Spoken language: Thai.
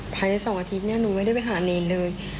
ภายใน๒อาทิตย์เนี่ยหนูไม่ได้ไปหาเนรเลย